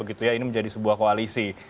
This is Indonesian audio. ini menjadi sebuah koalisi